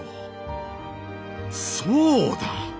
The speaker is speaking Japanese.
そうだ！